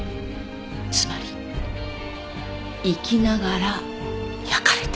つまり生きながら焼かれた。